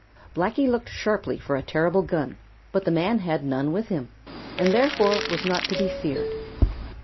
Blacky looked sharply for a terrible gun. But the man had none with him and therefore was not to be feared.